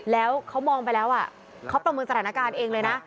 แล้วเขามองไปแล้วเขาประเมินสถานการณ์เองเลยนะ